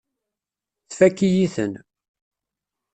Tfakk-iyi-ten.